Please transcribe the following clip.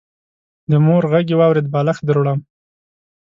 د مور غږ يې واورېد: بالښت دروړم.